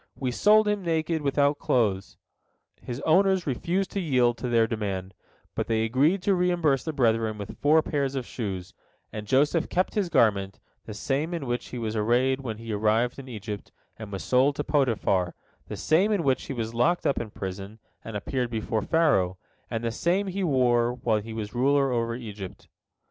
We sold him naked, without clothes." His owners refused to yield to their demand, but they agreed to reimburse the brethren with four pairs of shoes, and Joseph kept his garment, the same in which he was arrayed when he arrived in Egypt and was sold to Potiphar, the same in which he was locked up in prison and appeared before Pharaoh, and the same he wore when he was ruler over Egypt.